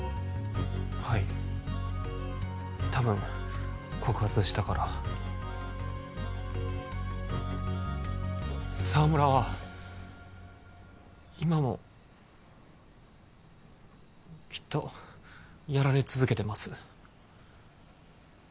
はいたぶん告発したから沢村は今もきっとやられ続けてます